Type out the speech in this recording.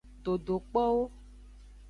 Dodokpowo.